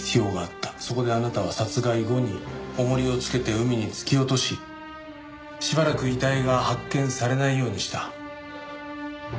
そこであなたは殺害後に重りをつけて海に突き落とししばらく遺体が発見されないようにした。